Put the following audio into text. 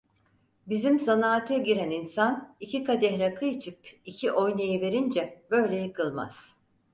Bizim zanaata giren insan iki kadeh rakı içip iki oynayıverince böyle yıkılmaz!